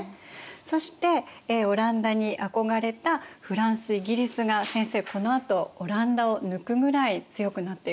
そしてオランダに憧れたフランスイギリスが先生このあとオランダを抜くぐらい強くなっていくんですよね。